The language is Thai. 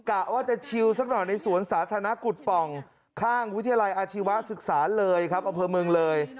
อาชีวศ์ศึกษาเลยครับเอาเพิ่มเมืองเลย